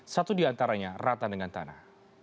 satu diantaranya rata dengan tanah